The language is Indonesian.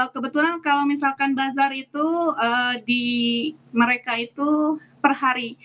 kebetulan kalau misalkan bazar itu di mereka itu per hari